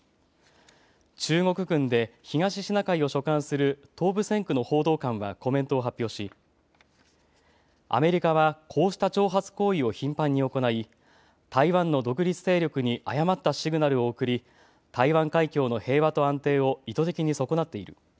中国軍で東シナ海を所管する東部戦区の報道官はコメントを発表しアメリカはこうした挑発行為を頻繁に行い台湾の独立勢力に誤ったシグナルを送り台湾海峡の平和と安定を意図的に損なっている。